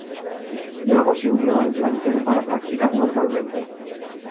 Luego se unió al plantel para practicar normalmente.